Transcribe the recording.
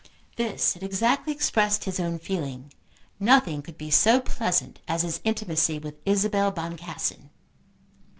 This had exactly expressed his own feeling. Nothing could be so pleasant as his intimacy with Isabel Boncassen.